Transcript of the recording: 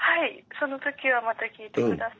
その時はまた聞いて下さい。